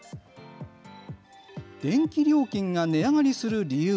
電気料金が値上がりする理由。